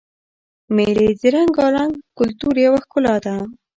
مېلې د رنګارنګ کلتور یوه ښکلا ده.